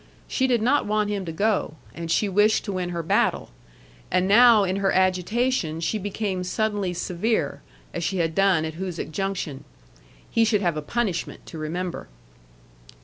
She did not want him to go and she wished to win her battle. And now in her agitation she became suddenly severe, as she had done at Hoosic Junction. He should have a punishment to remember!